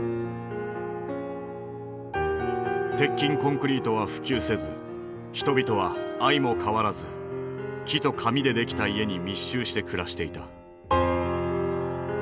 鉄筋コンクリ―トは普及せず人々は相も変わらず「木と紙で出来た家」に密集して暮らしていた。